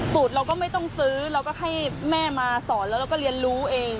เราก็ไม่ต้องซื้อเราก็ให้แม่มาสอนแล้วเราก็เรียนรู้เอง